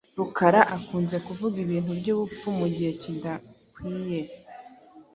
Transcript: Rukara akunze kuvuga ibintu byubupfu mugihe kidakwiye.